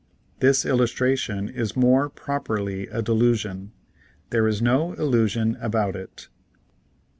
This illustration is more properly a delusion ; there is no illusion about it.